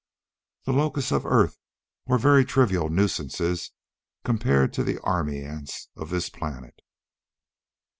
The locusts of Earth were very trivial nuisances compared to the army ants of this planet.